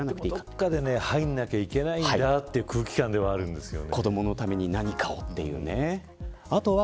どこかで入らなきゃいけないという空気感があるんですよね。